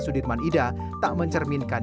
sudirman ida tak mencerminkan